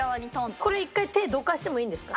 これ１回手どかしてもいいんですか？